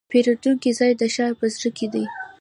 د پیرود ځای د ښار په زړه کې دی.